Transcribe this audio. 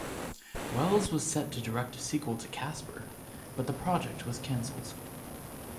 Wells was set to direct a sequel to "Casper", but the project was cancelled.